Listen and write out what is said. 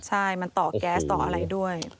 ใช่มันต่อแก๊สต่ออะไรด้วย